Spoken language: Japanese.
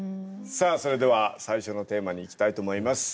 さあそれでは最初のテーマにいきたいと思います。